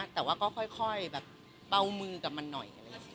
แต่ว่าก็ค่อยแบบเปล่ามือกับมันหน่อย